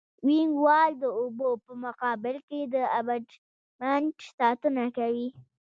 وینګ وال د اوبو په مقابل کې د ابټمنټ ساتنه کوي